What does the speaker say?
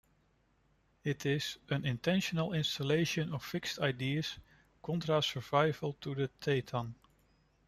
It is "an intentional installation of fixed ideas, contra-survival to the thetan".